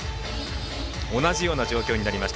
同じような状況になりました